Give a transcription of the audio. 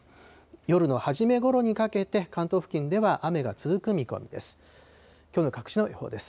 夜の初めごろにかけて、関東付近では雨が続く見込みです。